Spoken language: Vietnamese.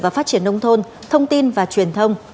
và phát triển nông thôn thông tin và truyền thông